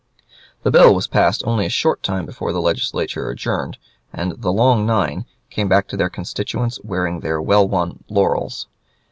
The bill was passed only a short time before the Legislature adjourned, and the "Long Nine" came back to their constituents wearing their well won laurels.